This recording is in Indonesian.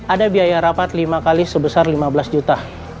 ada biaya rapat lima kali sebesar lima belas juta